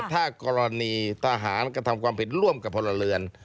ถ้ากรณีทหารกระทำความผิดร่วมกับพลเรือน